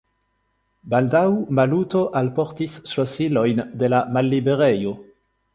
Baldaŭ Maluto alportis ŝlosilojn de la malliberejo.